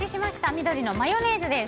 緑のマヨネーズです。